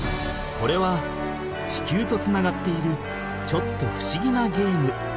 これは地球とつながっているちょっとふしぎなゲーム。